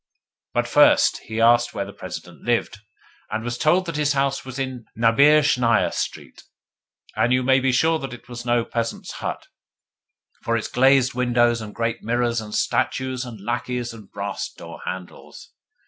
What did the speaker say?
But first he asked where the President lived, and was told that his house was in Naberezhnaia Street. And you may be sure that it was no peasant's hut, with its glazed windows and great mirrors and statues and lacqueys and brass door handles!